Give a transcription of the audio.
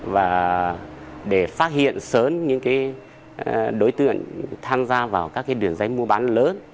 và để phát hiện sớn những cái đối tượng tham gia vào các cái đường giấy mua bán lớn